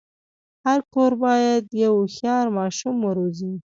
هر کور باید یو هوښیار ماشوم وروزي.